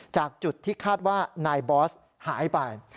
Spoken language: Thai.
จากจุดที่คาดว่านายบอสหายไป